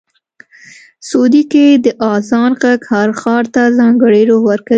سعودي کې د اذان غږ هر ښار ته ځانګړی روح ورکوي.